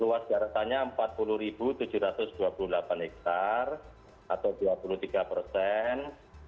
luas garisannya empat puluh tujuh ratus dua puluh delapan hektare atau dua puluh tiga persen